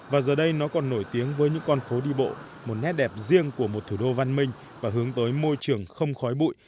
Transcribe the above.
và giờ đây nó còn nổi tiếng với những con phố đi bộ một nét đẹp riêng của một thủ đô văn minh và hướng tới môi trường không khói bụi